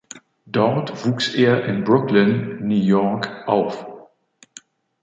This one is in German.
Dort wuchs er in Brooklyn, New York auf.